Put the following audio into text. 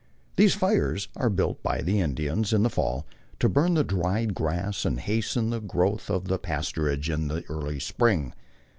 These fires are built by the Indians in the fall to burn the dried grass and hasten the growth of the pasturage in the early spring.